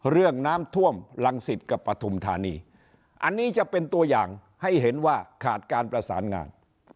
เรื่องน้ำท่วมรังสิตกับปฐุมธานีอันนี้จะเป็นตัวอย่างให้เห็นว่าขาดการประสานงาน